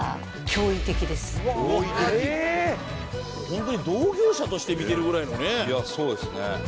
本当に同業者として見てるぐらいのね。